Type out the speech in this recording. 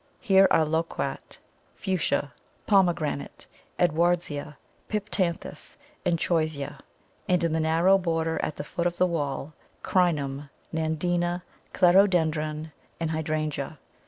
Here are Loquat, Fuchsia, Pomegranate, Edwardsia, Piptanthus, and Choisya, and in the narrow border at the foot of the wall, Crinum, Nandina, Clerodendron, and Hydrangea.